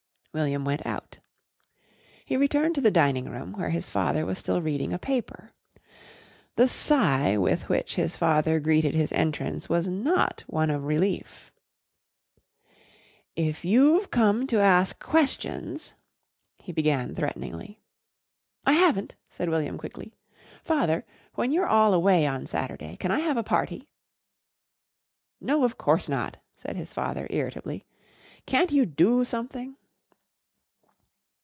William went out. He returned to the dining room, where his father was still reading a paper. The sigh with which his father greeted his entrance was not one of relief. "If you've come to ask questions " he began threateningly. "I haven't," said William quickly. "Father, when you're all away on Saturday, can I have a party?" "No, of course not," said his father irritably. "Can't you do something?"